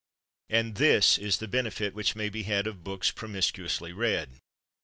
And this is the benefit which may be had of books promiscuously read.